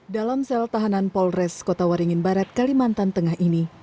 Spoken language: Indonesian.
dalam sel tahanan polres kota waringin barat kalimantan tengah ini